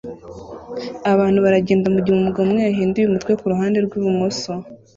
Abantu baragenda mugihe umugabo umwe yahinduye umutwe kuruhande rwibumoso